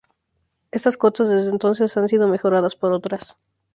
Estas cotas desde entonces han sido mejoradas por otras.